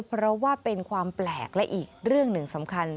เพราะว่าเป็นความแปลกและอีกเรื่องหนึ่งสำคัญ